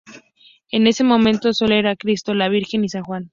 En ese momento sólo eran Cristo, la Virgen y San Juan.